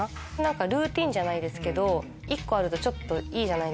ルーティンじゃないですけど１個あるといいじゃないですか。